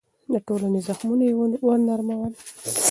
د ټولنې زخمونه يې نرمول.